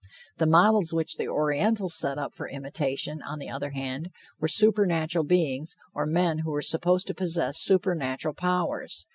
The models which the Orientals set up for imitation, on the other hand, were supernatural beings, or men who were supposed to possess supernatural powers.